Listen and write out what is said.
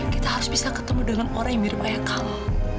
kita harus bisa ketemu dengan orang yang mirip ayah kamu